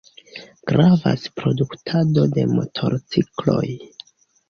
Gravas produktado de motorcikloj.